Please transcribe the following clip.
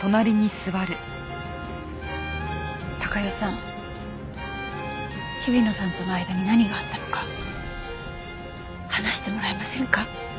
貴代さん日比野さんとの間に何があったのか話してもらえませんか？